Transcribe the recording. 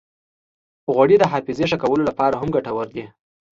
غوړې د حافظې ښه کولو لپاره هم ګټورې دي.